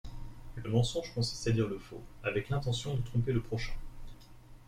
Le mensonge consiste à dire le faux avec l’intention de tromper le prochain.